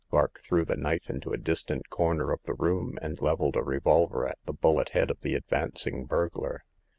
Vark threw the knife into a distant corner of the room, and leveled a revolver at the bullet head of the advancing burglar.